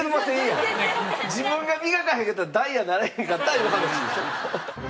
自分が磨かへんかったらダイヤにならへんかったいう話でしょ。